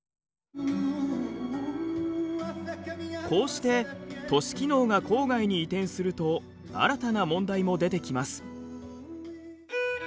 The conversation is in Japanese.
こうして都市機能が郊外に移転すると新たな問題も出てきます。